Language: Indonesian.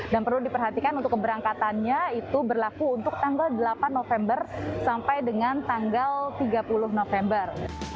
dan perlu diperhatikan untuk keberangkatannya itu berlaku untuk tanggal delapan november sampai dengan tanggal tiga puluh november